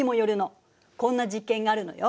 こんな実験があるのよ。